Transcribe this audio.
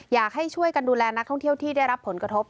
อยากให้ช่วยกันดูแลนักท่องเที่ยวที่ได้รับผลกระทบ